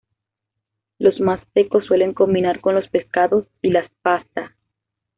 Los más secos suelen combinar con los pescados y la pasta.